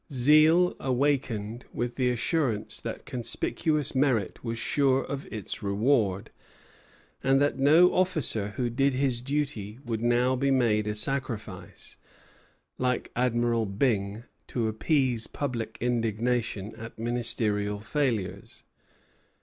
Zeal awakened with the assurance that conspicuous merit was sure of its reward, and that no officer who did his duty would now be made a sacrifice, like Admiral Byng, to appease public indignation at ministerial failures.